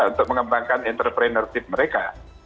untuk mengembangkan entrepreneurship mereka